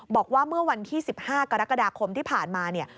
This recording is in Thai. บอกว่าเมื่อวันที่๑๕กรกฎาคมที่ผ่านมาเนี่ย